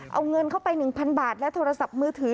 เอาเงินเข้าไป๑๐๐๐บาทและโทรศัพท์มือถือ